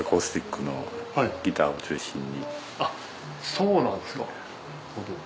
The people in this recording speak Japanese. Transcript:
そうなんですか。